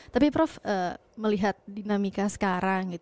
tapi prof melihat dinamika sekarang